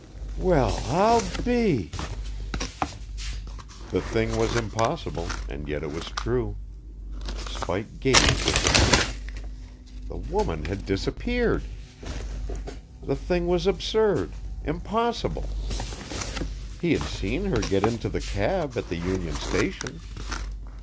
"Well, I'll be " The thing was impossible, and yet it was true. Spike gazed at the seat. The woman had disappeared! The thing was absurd; impossible. He had seen her get into the cab at the Union Station.